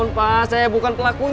nanti kita akan berbicara